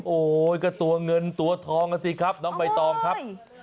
โอ้โหก็ตัวเงินตัวทองอ่ะสิครับน้องใบตองครับ